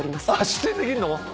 出演できんの⁉